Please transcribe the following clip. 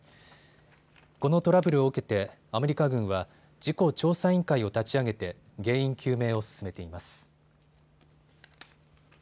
このトラブルを受けてアメリカ軍は事故調査委員会を立ち上げて原因究明を進めています。